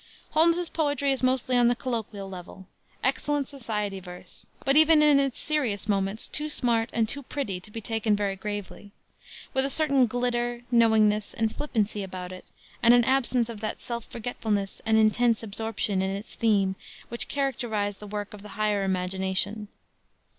Holmes's poetry is mostly on the colloquial level, excellent society verse, but even in its serious moments too smart and too pretty to be taken very gravely; with a certain glitter, knowingness and flippancy about it and an absence of that self forgetfulness and intense absorption in its theme which characterize the work of the higher imagination.